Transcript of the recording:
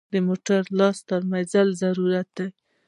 د موټر لاس ترمز ضروري دی.